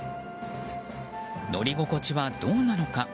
乗り心地はどうなのか。